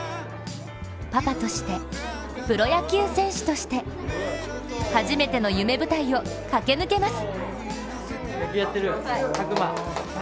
パパとして、プロ野球選手として、初めての夢舞台を駆け抜けます。